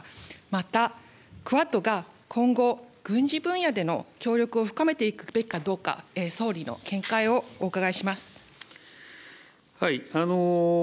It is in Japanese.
またクアッドが今後、軍事分野での協力を深めていくべきかどうか、総理の見解をお伺いします。